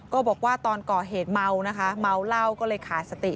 บอกว่าตอนก่อเหตุเมานะคะเมาเหล้าก็เลยขาดสติ